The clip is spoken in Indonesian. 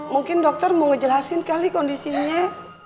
mungkin dokter mau ngejelasin kali kondisinya